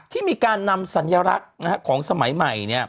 ที่มีการนำสัญลักษณ์ของสมัยใหม่